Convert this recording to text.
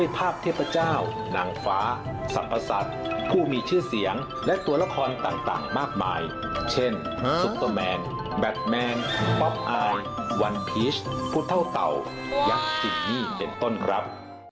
ผู้มีชื่อเสียงและตัวละครต่างมากมายเช่นซุปเตอร์แมนแบทแมนป๊อปอายวันพีชผู้เท่าเต่ายักษ์จริงเป็นต้นครับ